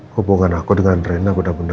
hubungan aku dengan rena udah bener bener berakhir